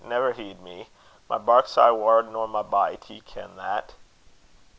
never heed me. My bark's aye waur nor my bite; ye ken that."